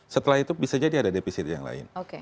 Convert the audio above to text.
setelah itu bisa jadi ada defisit yang lain